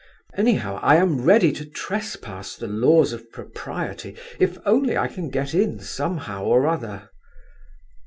Anyhow I am ready to trespass the laws of propriety if only I can get in somehow or other."